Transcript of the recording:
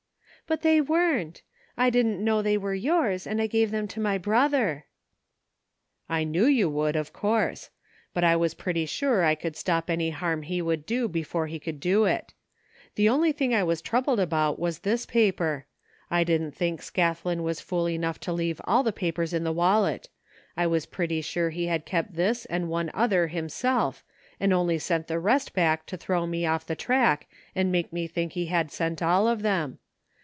" But they weren't. I didn't know they were yours, and I gave them to my brother." " I knew you would, of course. But I was pretty sufe I could stop any harm he would do before he could do it. The only thing I was troubled about was this paper. I didn't think Scathlin was fool enough to leave all the papers in the wallet. I was pretty sure he had kept this and one other himself and only sent the rest back to throw me off the track and make me think he had sent all of them.